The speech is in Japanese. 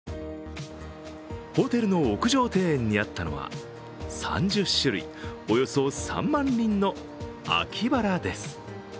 ホテルの屋上庭園にあったのは、３０種類およそ３万輪の秋ばらです。